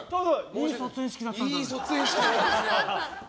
いい卒園式だったんですよ。